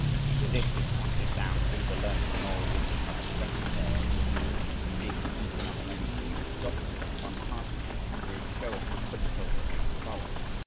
With this he slashes down through the loam nor would he have us rest there. If we would dig deep enough only to plant a doctrine, from one part of him, he would show us the quick silver in that furrow.